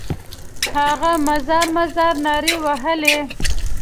هغه مزار مزار نارې وهلې.